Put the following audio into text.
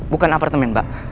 bukan apartemen mbak